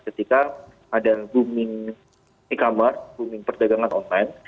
ketika ada booming e commerce booming perdagangan online